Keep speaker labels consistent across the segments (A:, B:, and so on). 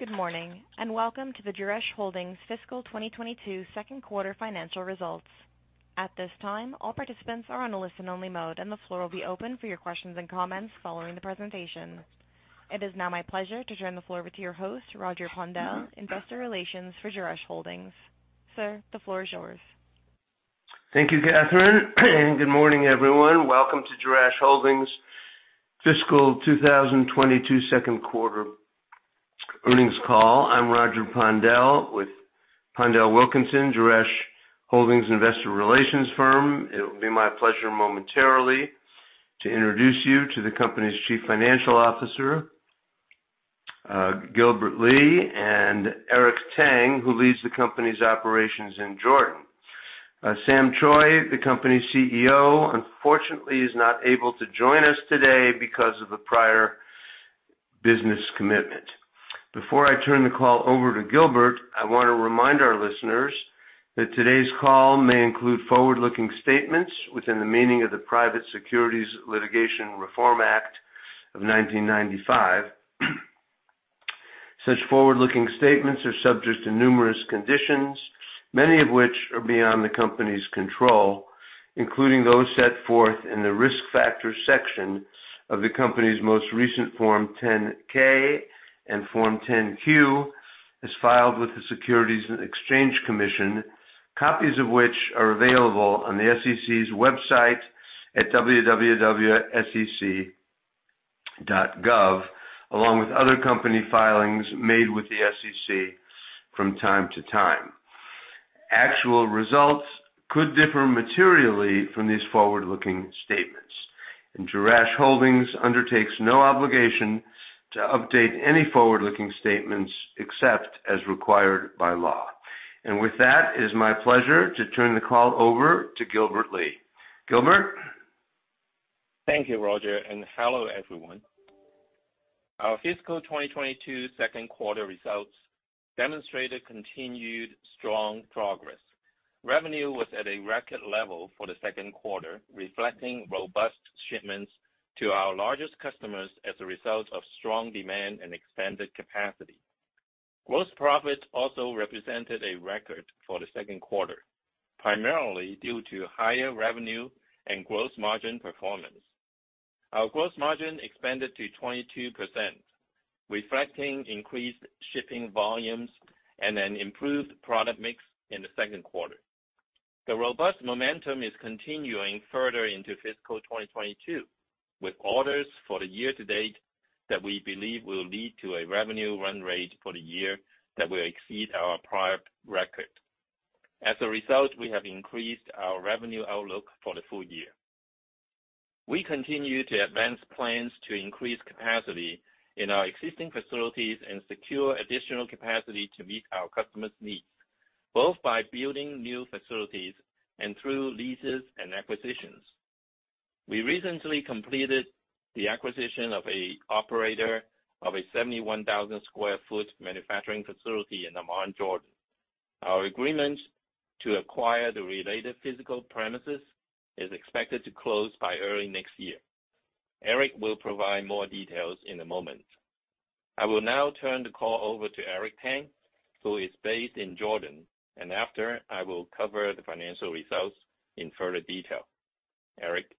A: Good morning, and welcome to the Jerash Holdings Fiscal 2022 Q2 Financial Results. At this time, all participants are on a listen-only mode, and the floor will be open for your questions and comments following the presentation. It is now my pleasure to turn the floor over to your host, Roger Pondel, investor relations for Jerash Holdings. Sir, the floor is yours.
B: Thank you, Catherine, and good morning, everyone. Welcome to Jerash Holdings Fiscal 2022 Q2 earnings call. I'm Roger Pondel with PondelWilkinson, Jerash Holdings investor relations firm. It will be my pleasure momentarily to introduce you to the company's Chief Financial Officer, Gilbert Lee and Eric Tang, who leads the company's operations in Jordan. Sam Choi, the company's CEO, unfortunately is not able to join us today because of a prior business commitment. Before I turn the call over to Gilbert, I wanna remind our listeners that today's call may include forward-looking statements within the meaning of the Private Securities Litigation Reform Act of 1995. Such forward-looking statements are subject to numerous conditions, many of which are beyond the company's control, including those set forth in the risk factors section of the company's most recent Form 10-K and Form 10-Q, as filed with the Securities and Exchange Commission. Copies of which are available on the SEC's website at www.sec.gov, along with other company filings made with the SEC from time to time. Actual results could differ materially from these forward-looking statements. Jerash Holdings undertakes no obligation to update any forward-looking statements except as required by law. With that, it's my pleasure to turn the call over to Gilbert Lee. Gilbert.
C: Thank you, Roger, and hello, everyone. Our fiscal 2022 Q2 results demonstrated continued strong progress. Revenue was at a record level for the Q2, reflecting robust shipments to our largest customers as a result of strong demand and expanded capacity. Gross profit also represented a record for the Q2, primarily due to higher revenue and gross margin performance. Our gross margin expanded to 22%, reflecting increased shipping volumes and an improved product mix in the Q2. The robust momentum is continuing further into fiscal 2022, with orders for the year-to-date that we believe will lead to a revenue run rate for the year that will exceed our prior record. As a result, we have increased our revenue outlook for the full year. We continue to advance plans to increase capacity in our existing facilities and secure additional capacity to meet our customers' needs, both by building new facilities and through leases and acquisitions. We recently completed the acquisition of an operator of a 71,000 sq ft manufacturing facility in Amman, Jordan. Our agreement to acquire the related physical premises is expected to close by early next year. Eric will provide more details in a moment. I will now turn the call over to Eric Tang, who is based in Jordan, and after, I will cover the financial results in further detail. Eric.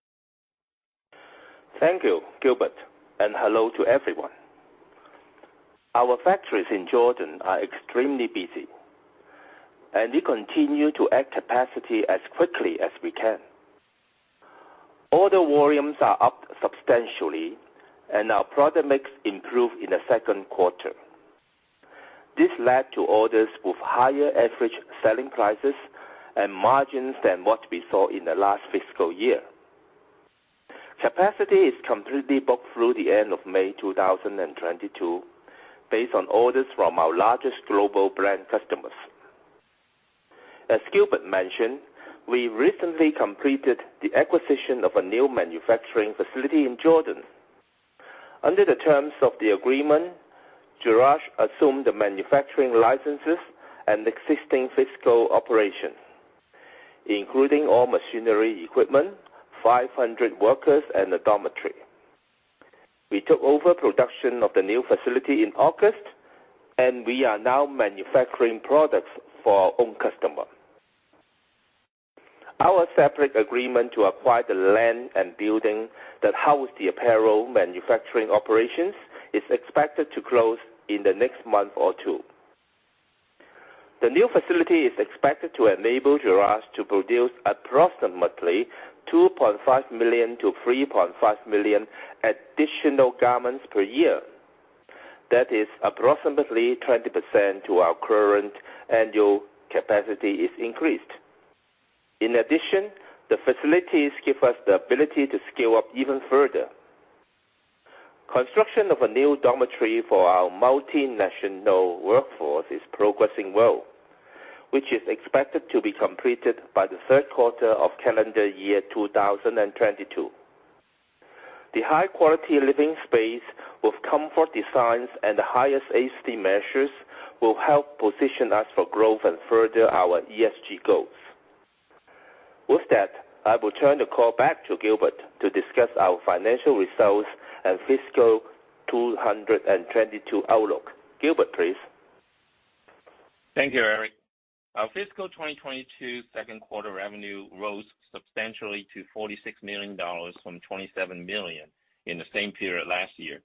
D: Thank you, Gilbert, and hello to everyone. Our factories in Jordan are extremely busy, and we continue to add capacity as quickly as we can. Order volumes are up substantially, and our product mix improved in the Q2. This led to orders with higher average selling prices and margins than what we saw in the last fiscal year. Capacity is completely booked through the end of May 2022 based on orders from our largest global brand customers. As Gilbert mentioned, we recently completed the acquisition of a new manufacturing facility in Jordan. Under the terms of the agreement, Jerash assumed the manufacturing licenses and existing physical operations, including all machinery equipment, 500 workers and a dormitory. We took over production of the new facility in August, and we are now manufacturing products for our own customer. Our separate agreement to acquire the land and building that house the apparel manufacturing operations is expected to close in the next month or two. The new facility is expected to enable Jerash to produce approximately 2.5 million to 3.5 million additional garments per year. That is approximately 20% to our current annual capacity is increased. In addition, the facilities give us the ability to scale up even further. Construction of a new dormitory for our multinational workforce is progressing well, which is expected to be completed by the Q3 of calendar year 2022. The high-quality living space with comfort designs and the highest HD measures will help position us for growth and further our ESG goals. With that, I will turn the call back to Gilbert to discuss our financial results and fiscal 2022 outlook. Gilbert, please.
C: Thank you, Eric. Our fiscal 2022 Q2 revenue rose substantially to $46 million from $27 million in the same period last year,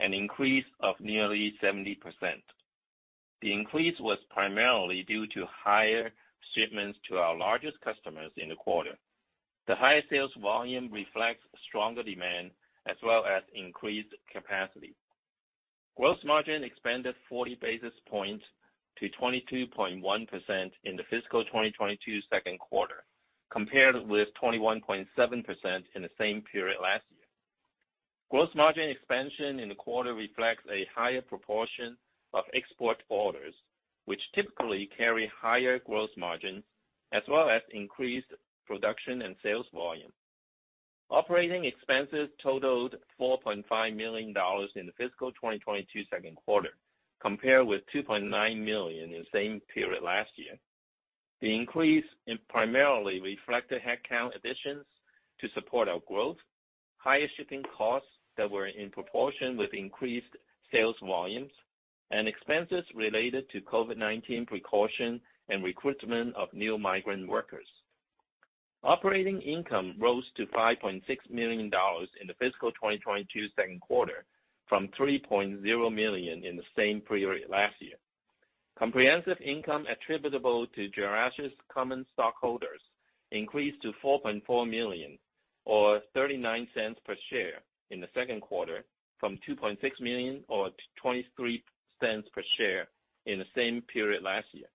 C: an increase of nearly 70%. The increase was primarily due to higher shipments to our largest customers in the quarter. The higher sales volume reflects stronger demand as well as increased capacity. Gross margin expanded 40 basis points to 22.1% in the fiscal 2022 Q2, compared with 21.7% in the same period last year. Gross margin expansion in the quarter reflects a higher proportion of export orders, which typically carry higher gross margin as well as increased production and sales volume. Operating expenses totaled $4.5 million in the fiscal 2022 Q2, compared with $2.9 million in the same period last year. The increase primarily reflected headcount additions to support our growth, higher shipping costs that were in proportion with increased sales volumes, and expenses related to COVID-19 precaution and recruitment of new migrant workers. Operating income rose to $5.6 million in the fiscal 2022 Q2 from $3.0 million in the same period last year. Comprehensive income attributable to Jerash's common stockholders increased to $4.4 million or $0.39 per share in the Q2 from $2.6 million or $0.23 per share in the same period last year.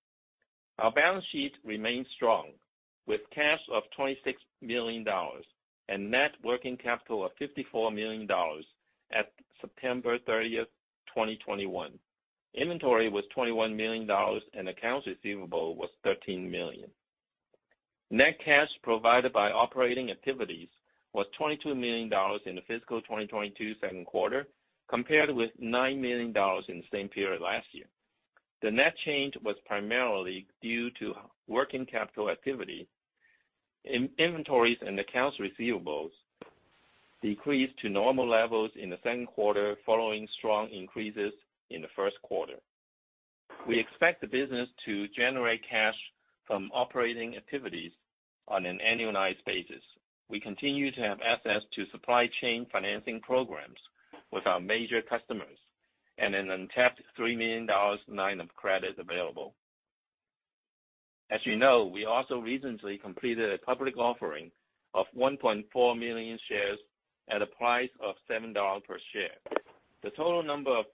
C: Our balance sheet remains strong with cash of $26 million and net working capital of $54 million at September 30th, 2021. Inventory was $21 million and accounts receivable was $13 million. Net cash provided by operating activities was $22 million in the fiscal 2022 Q2 compared with $9 million in the same period last year. The net change was primarily due to working capital activity. Inventories and accounts receivables decreased to normal levels in the Q2 following strong increases in the Q1. We expect the business to generate cash from operating activities on an annualized basis. We continue to have access to supply chain financing programs with our major customers and an untapped $3 million line of credit available. As you know, we also recently completed a public offering of 1.4 million shares at a price of $7 per share. The total number of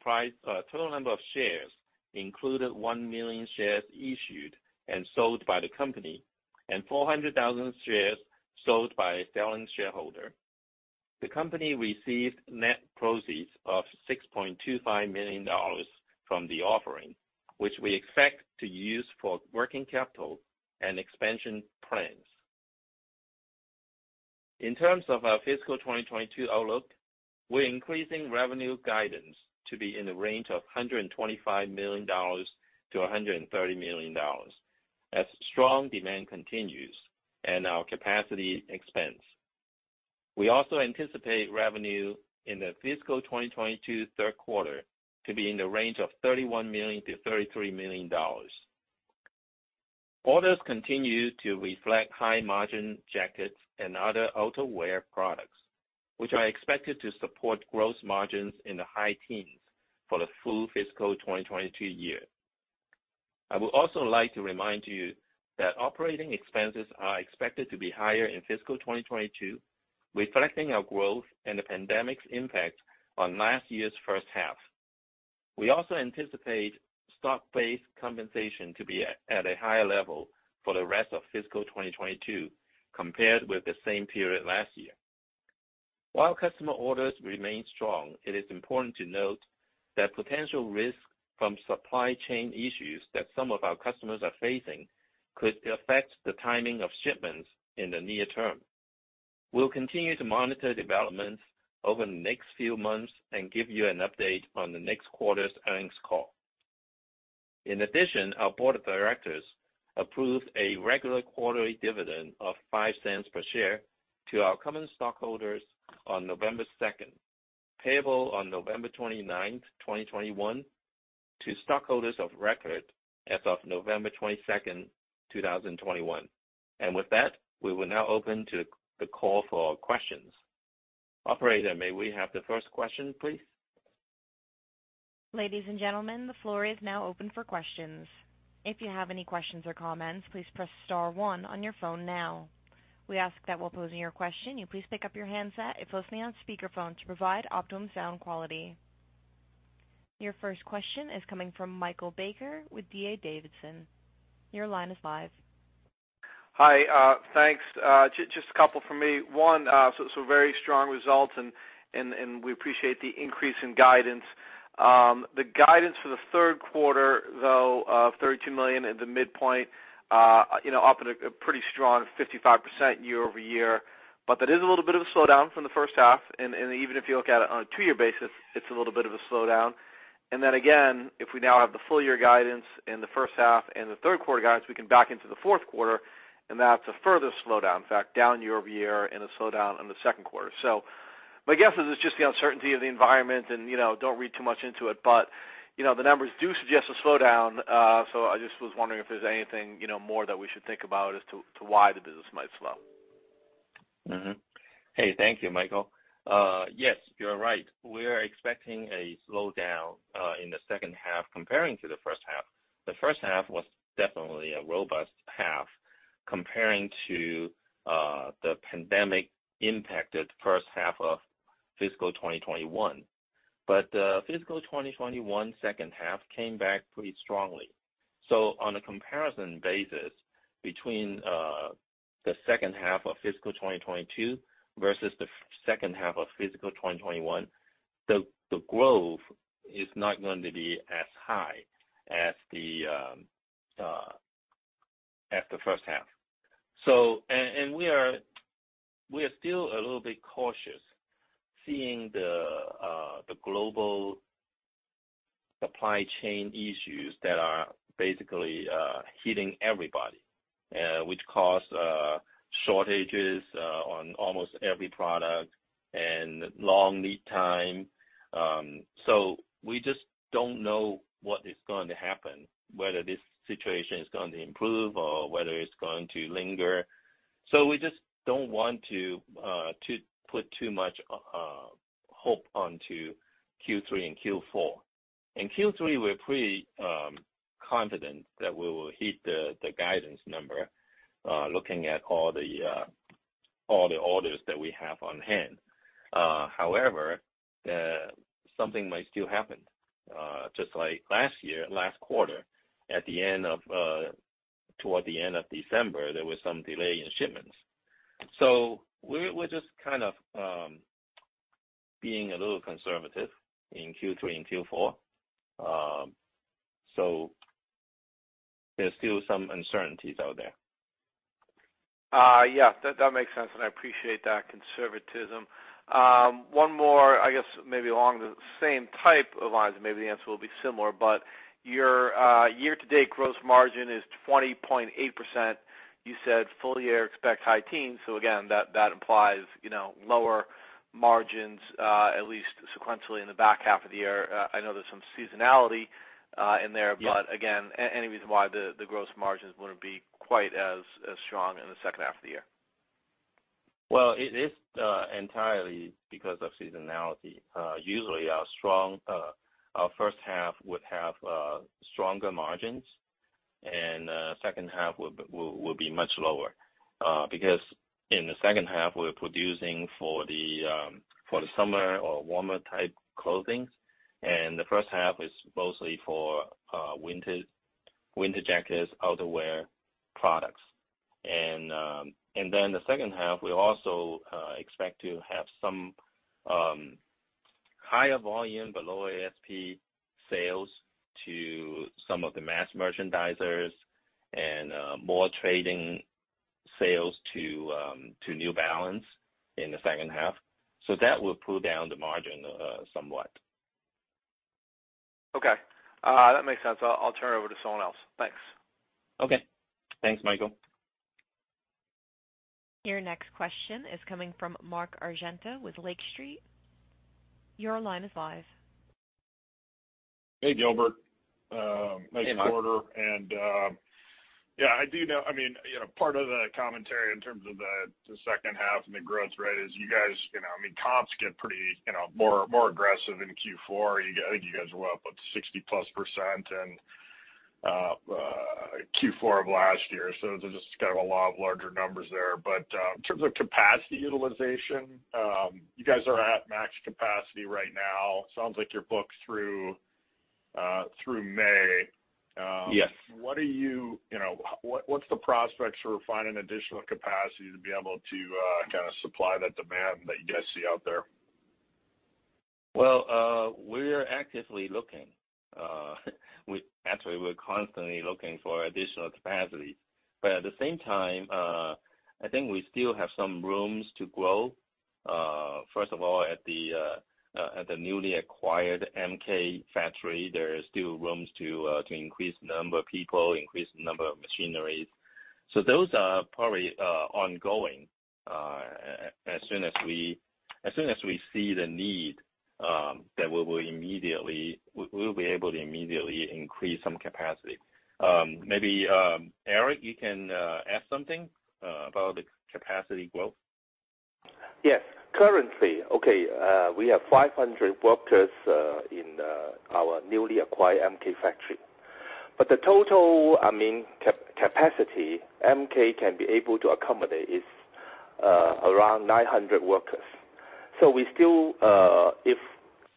C: shares included 1 million shares issued and sold by the company and 400,000 shares sold by a selling shareholder. The company received net proceeds of $6.25 million from the offering, which we expect to use for working capital and expansion plans. In terms of our fiscal 2022 outlook, we're increasing revenue guidance to be in the range of $125 million to $130 million as strong demand continues and our capacity expands. We also anticipate revenue in the fiscal 2022 Q3 to be in the range of $31 million to $33 million. Orders continue to reflect high-margin jackets and other outerwear products, which are expected to support gross margins in the high teens for the full fiscal 2022 year. I would also like to remind you that operating expenses are expected to be higher in fiscal 2022, reflecting our growth and the pandemic's impact on last year's first half. We also anticipate stock-based compensation to be at a higher level for the rest of fiscal 2022 compared with the same period last year. While customer orders remain strong, it is important to note that potential risk from supply chain issues that some of our customers are facing could affect the timing of shipments in the near term. We'll continue to monitor developments over the next few months and give you an update on the next quarter's earnings call. In addition, our board of directors approved a regular quarterly dividend of $0.05 per share to our common stockholders on November 2nd, payable on November 29th, 2021 to stockholders of record as of November 22nd, 2021. With that, we will now open to the call for questions. Operator, may we have the first question, please?
A: Ladies and gentlemen, the floor is now open for questions. If you have any questions or comments, please press star one on your phone now. We ask that while posing your question, you please pick up your handset if listening on speakerphone to provide optimum sound quality. Your first question is coming from Michael Baker with D.A. Davidson. Your line is live.
E: Hi, thanks. Just a couple from me. One, so very strong results and we appreciate the increase in guidance. The guidance for the Q3, though, of $32 million at the midpoint, you know, up at a pretty strong 55% year-over-year. That is a little bit of a slowdown from the first half. Even if you look at it on a two-year basis, it's a little bit of a slowdown. Again, if we now have the full year guidance in the first half and the Q3 guidance, we can back into the Q4, and that's a further slowdown. In fact, down year-over-year and a slowdown in the Q2. My guess is it's just the uncertainty of the environment and, you know, don't read too much into it. you know, the numbers do suggest a slowdown. I just was wondering if there's anything, you know, more that we should think about as to why the business might slow.
C: Hey, thank you, Michael. Yes, you're right. We are expecting a slowdown in the second half compared to the first half. The first half was definitely a robust half compared to the pandemic impacted first half of fiscal 2021. Fiscal 2021 second half came back pretty strongly. On a comparison basis between the second half of fiscal 2022 versus the second half of fiscal 2021, the growth is not going to be as high as the first half. We are still a little bit cautious seeing the global supply chain issues that are basically hitting everybody, which cause shortages on almost every product and long lead time. We just don't know what is going to happen, whether this situation is going to improve or whether it's going to linger. We just don't want to put too much hope onto Q3 and Q4. In Q3, we're pretty confident that we will hit the guidance number looking at all the orders that we have on hand. However, something might still happen. Just like last year, last quarter, toward the end of December, there was some delay in shipments. We're just kind of being a little conservative in Q3 and Q4. There's still some uncertainties out there.
E: Yeah, that makes sense, and I appreciate that conservatism. One more, I guess maybe along the same type of lines, and maybe the answer will be similar, but your year-to-date gross margin is 20.8%. You said full year expects high teens, so again, that implies, you know, lower margins at least sequentially in the back half of the year. I know there's some seasonality in there.
C: Yeah.
E: Again, any reason why the gross margins wouldn't be quite as strong in the second half of the year?
C: Well, it is entirely because of seasonality. Usually our strong first half would have stronger margins and second half will be much lower. Because in the second half, we're producing for the summer or warmer type clothing, and the first half is mostly for winter jackets, outerwear products. Then the second half, we also expect to have some higher volume but lower ASP sales to some of the mass merchandisers and more trading sales to New Balance in the second half. That will pull down the margin somewhat.
E: Okay. That makes sense. I'll turn it over to someone else. Thanks.
C: Okay. Thanks, Michael.
A: Your next question is coming from Mark Argento with Lake Street. Your line is live.
F: Hey, Gilbert.
C: Hey, Mark.
F: Nice quarter. Yeah, I do know, I mean, you know, part of the commentary in terms of the second half and the growth rate is you guys, you know, I mean, comps get pretty, you know, more aggressive in Q4. I think you guys were up what, 60+% in Q4 of last year, so there's just kind of a lot of larger numbers there. In terms of capacity utilization, you guys are at max capacity right now. Sounds like you're booked through May.
C: Yes.
F: You know, what's the prospects for finding additional capacity to be able to kinda supply that demand that you guys see out there?
C: Well, we are actively looking. Actually, we're constantly looking for additional capacity. At the same time, I think we still have some rooms to grow. First of all, at the newly acquired MK factory, there is still rooms to increase number of people, increase number of machineries. Those are probably ongoing. As soon as we see the need, then we'll be able to immediately increase some capacity. Maybe Eric, you can add something about the capacity growth?
D: Yes. Currently, we have 500 workers in our newly acquired MK factory. The total, I mean, capacity MK can be able to accommodate is around 900 workers. If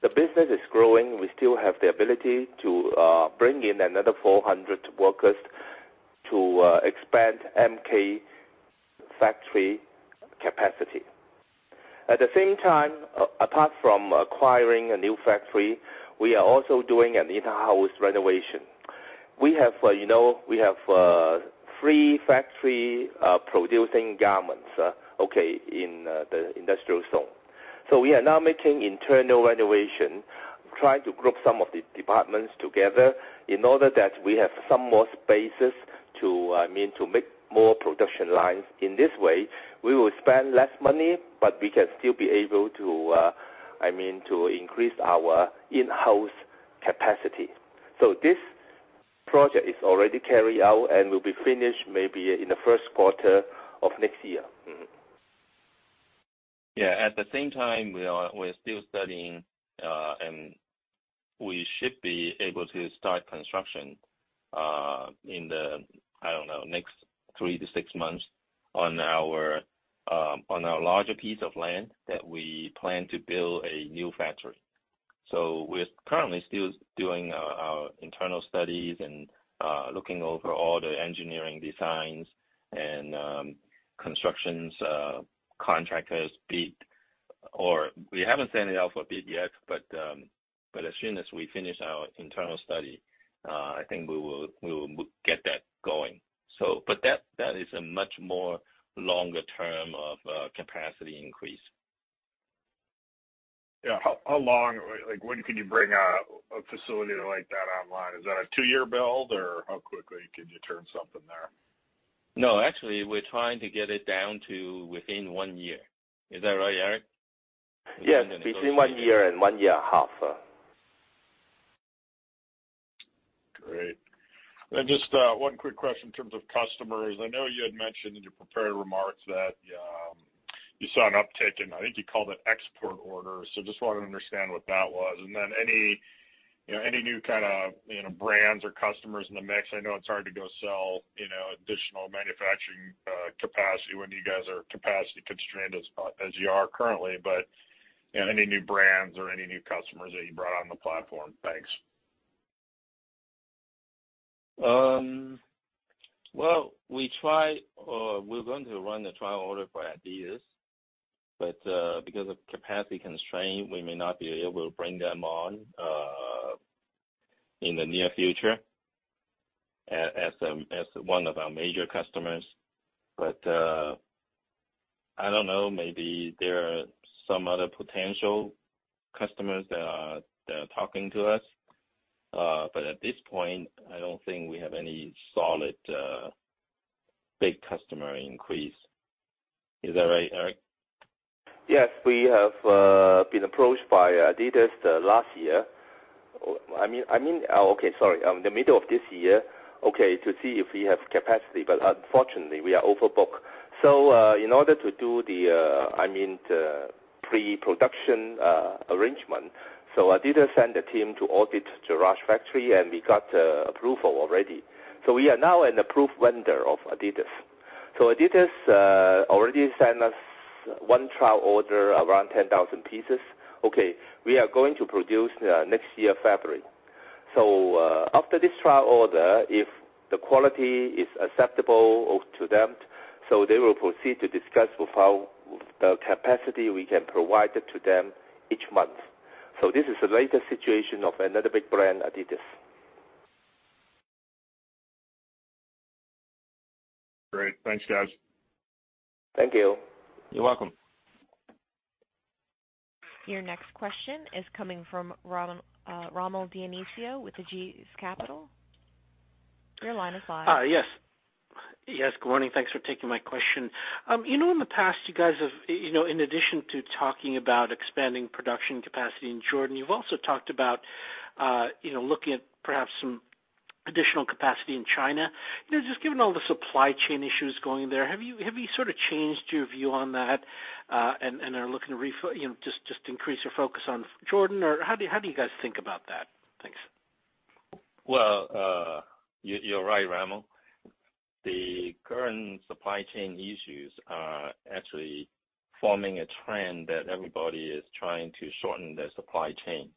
D: the business is growing, we have the ability to bring in another 400 workers to expand MK factory capacity. At the same time, apart from acquiring a new factory, we are also doing an in-house renovation. We have, you know, we have three factories producing garments in the industrial zone. We are now making internal renovation, trying to group some of the departments together in order that we have some more spaces to, I mean, to make more production lines. In this way, we will spend less money, but we can still be able to, I mean, to increase our in-house capacity. This project is already carried out and will be finished maybe in the Q1 of next year.
C: Yeah. At the same time, we're still studying and we should be able to start construction in the, I don't know, next three to six months on our larger piece of land that we plan to build a new factory. We're currently still doing our internal studies and looking over all the engineering designs and constructions contractors bid, or we haven't sent it out for bid yet, but as soon as we finish our internal study, I think we will get that going. That is a much more longer term of capacity increase.
F: Yeah. How long? Like, when can you bring a facility like that online? Is that a two-year build, or how quickly can you turn something there?
C: No, actually, we're trying to get it down to within one year. Is that right, Eric?
D: Yes. Between one year and one year half.
F: Great. Just one quick question in terms of customers. I know you had mentioned in your prepared remarks that you saw an uptick in, I think you called it export orders. Just wanted to understand what that was. Then any, you know, any new kinda, you know, brands or customers in the mix. I know it's hard to go sell, you know, additional manufacturing capacity when you guys are capacity constrained as you are currently. Any new brands or any new customers that you brought on the platform? Thanks.
C: Well, we're going to run the trial order for Adidas, but because of capacity constraint, we may not be able to bring them on in the near future as one of our major customers. I don't know, maybe there are some other potential customers that are talking to us. At this point, I don't think we have any solid big customer increase. Is that right, Eric?
D: Yes. We have been approached by Adidas the middle of this year to see if we have capacity, but unfortunately, we are overbooked. In order to do the pre-production arrangement, so Adidas sent a team to audit Jerash factory, and we got approval already. We are now an approved vendor of Adidas. Adidas already sent us one trial order around 10,000 pieces. We are going to produce next year, February. After this trial order, if the quality is acceptable to them, so they will proceed to discuss with how the capacity we can provide it to them each month. This is the latest situation of another big brand, Adidas.
F: Great. Thanks, guys.
D: Thank you.
C: You're welcome.
A: Your next question is coming from Rommel Dionisio with Aegis Capital. Your line is live.
G: Yes. Good morning. Thanks for taking my question. You know, in the past, you guys have, you know, in addition to talking about expanding production capacity in Jordan, you've also talked about, you know, looking at perhaps some additional capacity in China. You know, just given all the supply chain issues going there, have you sort of changed your view on that, and are looking to, you know, just increase your focus on Jordan? Or how do you guys think about that? Thanks.
C: Well, you're right, Rommel. The current supply chain issues are actually forming a trend that everybody is trying to shorten their supply chain.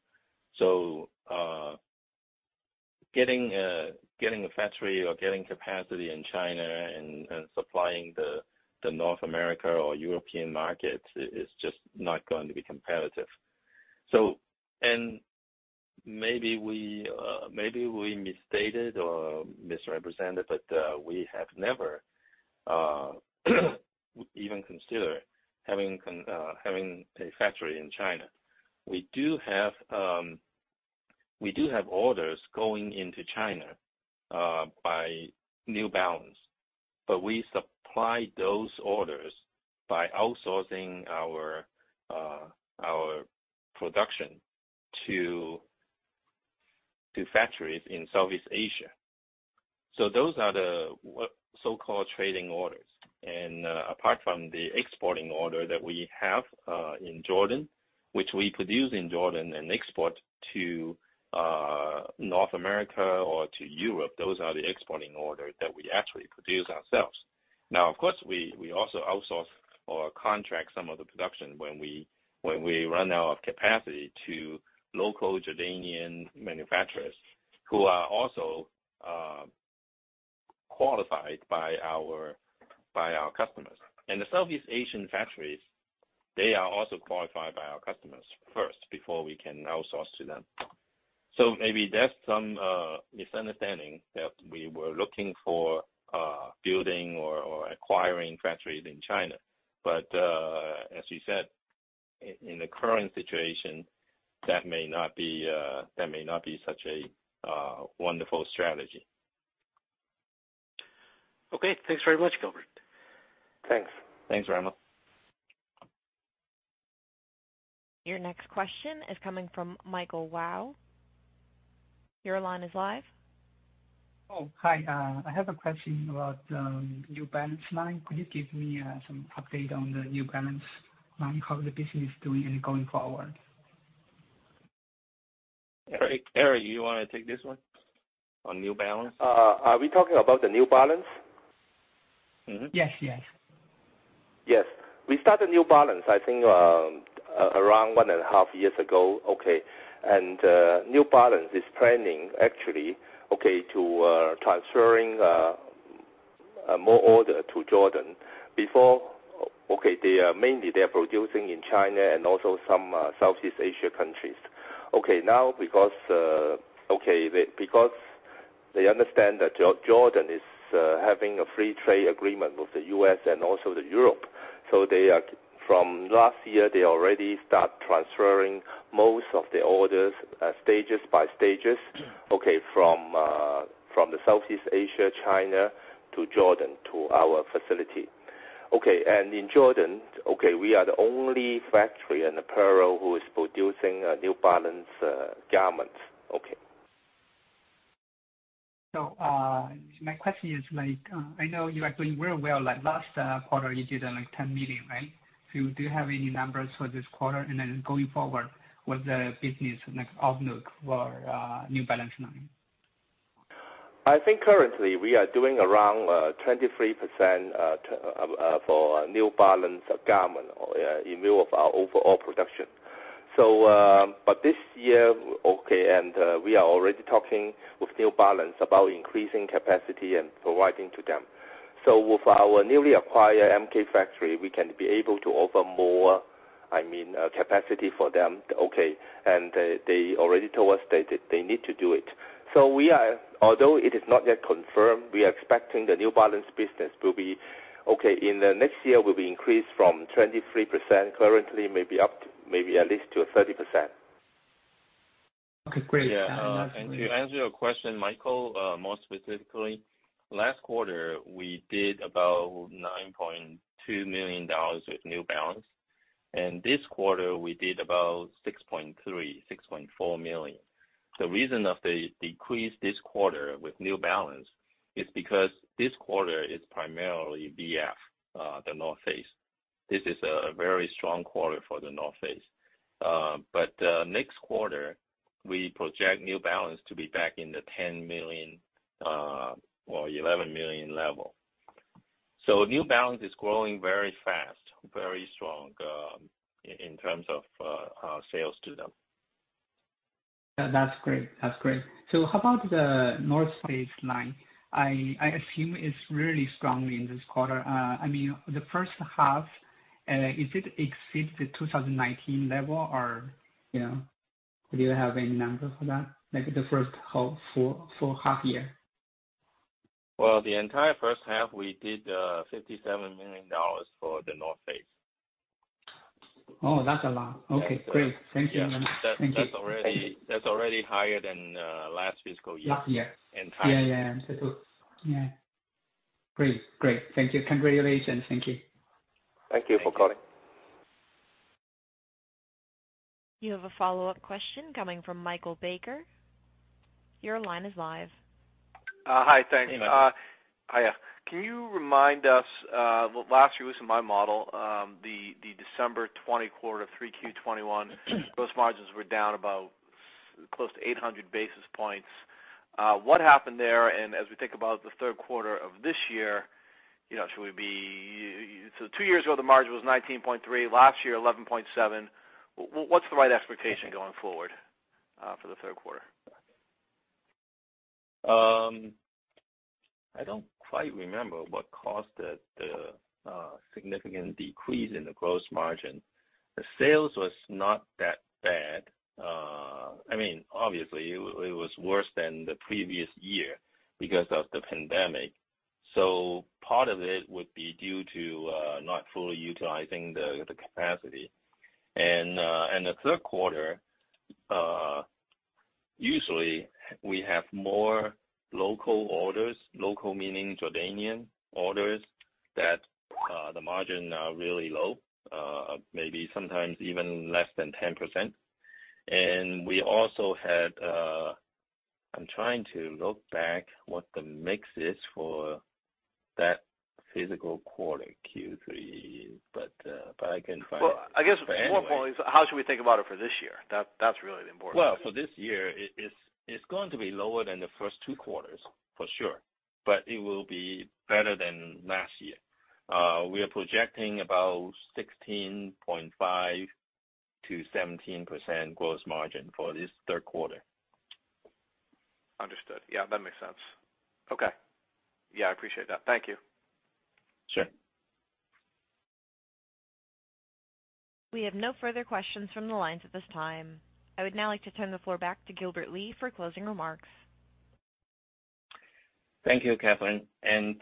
C: Getting a factory or getting capacity in China and supplying the North American or European markets is just not going to be competitive. Maybe we misstated or misrepresented, but we have never even considered having a factory in China. We do have orders going into China by New Balance, but we supply those orders by outsourcing our production to factories in Southeast Asia. Those are the so-called trading orders. Apart from the exporting order that we have in Jordan, which we produce in Jordan and export to North America or to Europe, those are the exporting order that we actually produce ourselves. Now, of course, we also outsource or contract some of the production when we run out of capacity to local Jordanian manufacturers who are also qualified by our customers. The Southeast Asian factories, they are also qualified by our customers first before we can outsource to them. Maybe there's some misunderstanding that we were looking for building or acquiring factories in China. As you said, in the current situation, that may not be such a wonderful strategy.
G: Okay. Thanks very much, Gilbert.
C: Thanks.
D: Thanks, Rommel.
A: Your next question is coming from Michael Wou. Your line is live.
H: Oh, hi. I have a question about New Balance line. Could you give me some update on the New Balance line? How is the business doing and going forward?
C: Eric, you wanna take this one on New Balance?
D: Are we talking about the New Balance?
H: Mm-hmm. Yes, yes.
D: Yes. We started New Balance, I think, around one and a half years ago. New Balance is planning actually to transferring more orders to Jordan. Before, they are mainly producing in China and also some Southeast Asia countries. Now, because they understand that Jordan is having a free trade agreement with the U.S. and also Europe, so from last year, they already start transferring most of the orders stage by stage from the Southeast Asia, China to Jordan to our facility. In Jordan, we are the only factory and apparel who is producing New Balance garments.
H: My question is like, I know you are doing very well. Like last quarter you did, like, $10 million, right? Do you have any numbers for this quarter? Then going forward, what's the business like outlook for New Balance line?
D: I think currently we are doing around 23% for New Balance garment or in lieu of our overall production. This year we are already talking with New Balance about increasing capacity and providing to them. With our newly acquired MK factory, we can be able to offer more, I mean, capacity for them. They already told us they need to do it. Although it is not yet confirmed, we are expecting the New Balance business will be in the next year increased from 23% currently maybe up to maybe at least to a 30%.
H: Okay, great.
C: To answer your question, Michael, more specifically, last quarter we did about $9.2 million with New Balance. This quarter we did about $6.3 million to $6.4 million. The reason for the decrease this quarter with New Balance is because this quarter is primarily VF, The North Face. This is a very strong quarter for The North Face. Next quarter we project New Balance to be back in the $10 million or $11 million level. New Balance is growing very fast, very strong, in terms of sales to them.
H: That's great. How about The North Face line? I assume it's really strong in this quarter. I mean, the first half, does it exceed the 2019 level or, you know. Do you have any numbers for that, like the first full half year?
C: Well, the entire first half we did $57 million for The North Face.
H: Oh, that's a lot. Okay.
C: Yes.
H: Great. Thank you.
C: Yes.
H: Thank you.
C: That's already higher than last fiscal year.
H: Last year.
C: In fact.
H: Yeah, yeah. That's all. Yeah. Great. Great. Thank you. Congratulations. Thank you.
C: Thank you for calling.
A: You have a follow-up question coming from Michael Baker. Your line is live.
E: Hi. Thanks.
C: Hey, Michael.
E: Hi. Can you remind us, last year was in my model, the December 2020 quarter, Q3 2021 gross margins were down about close to 800 basis points. What happened there? And as we think about the Q3 of this year, you know, should we be. Two years ago, the margin was 19.3%, last year 11.7%. What's the right expectation going forward, for the Q3?
C: I don't quite remember what caused the significant decrease in the gross margin. The sales was not that bad. I mean, obviously it was worse than the previous year because of the pandemic. Part of it would be due to not fully utilizing the capacity. The Q3 usually we have more local orders, local meaning Jordanian orders that the margin are really low, maybe sometimes even less than 10%. We also had. I'm trying to look back what the mix is for that fiscal quarter Q3. I can find-
E: Well, I guess.
C: Anyway.
E: More importantly is how should we think about it for this year? That, that's really the important thing.
C: Well, for this year it is, it's going to be lower than the first two quarters for sure. It will be better than last year. We are projecting about 16.5% to 17% gross margin for this Q3.
E: Understood. Yeah, that makes sense. Okay. Yeah, I appreciate that. Thank you.
C: Sure.
A: We have no further questions from the lines at this time. I would now like to turn the floor back to Gilbert Lee for closing remarks.
C: Thank you, Catherine.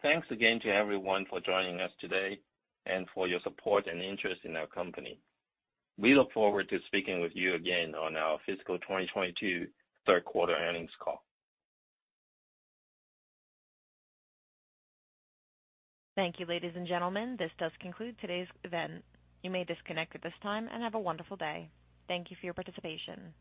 C: Thanks again to everyone for joining us today and for your support and interest in our company. We look forward to speaking with you again on our fiscal 2022 Q3 Earnings Call.
A: Thank you, ladies and gentlemen. This does conclude today's event. You may disconnect at this time, and have a wonderful day. Thank you for your participation.